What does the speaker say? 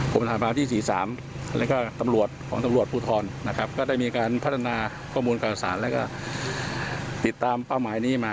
ก็ทำให้เป้าหมาย